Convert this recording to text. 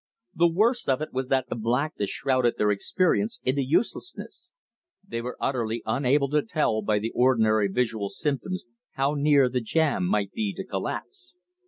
The worst of it was that the blackness shrouded their experience into uselessness; they were utterly unable to tell by the ordinary visual symptoms how near the jam might be to collapse.